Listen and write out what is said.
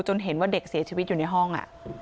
เห็นว่าเด็กเสียชีวิตอยู่ในห้อง